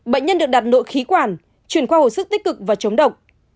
bệnh nhân được đặt nội khí quản chuyển khoa hồi sức tích cực và chống độc